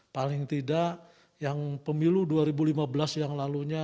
paling tidak yang pemilu dua ribu lima belas yang lalunya